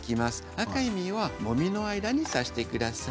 赤い実は、モミの間に挿してください。